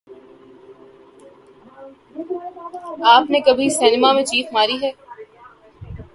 آپ نے کبھی سنیما میں چیخ ماری ہے